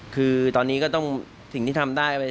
คือตอนนี้ก็ต้องสิ่งที่ทำได้